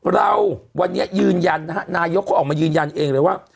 เราวันนี้ยืนยันนะฮะนายกเขาออกมายืนยันเองเลยว่า